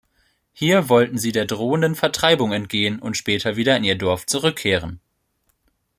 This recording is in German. Hier wollten sie der drohenden Vertreibung entgehen und später wieder in ihr Dorf zurückkehren.